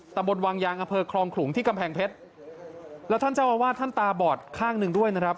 ตำบลวังยางอำเภอคลองขลุงที่กำแพงเพชรแล้วท่านเจ้าอาวาสท่านตาบอดข้างหนึ่งด้วยนะครับ